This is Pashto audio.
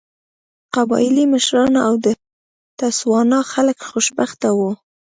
قبایلي مشران او د تسوانا خلک خوشبخته وو.